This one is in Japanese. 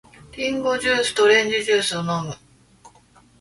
リンゴジュースとオレンジジュースを飲む。